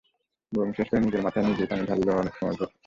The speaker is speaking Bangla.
বমি শেষ করে নিজের মাথায় নিজেই পানি ঢালল অনেক সময় ধরে।